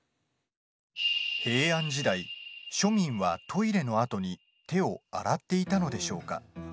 平安時代庶民はトイレのあとに手を洗っていたのでしょうか？